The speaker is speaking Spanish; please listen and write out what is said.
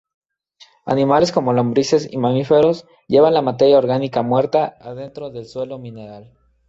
Animales como lombrices y mamíferos llevan la materia orgánica muerta adentro del suelo mineral.